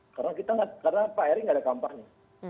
karena pak erick enggak ada kampanye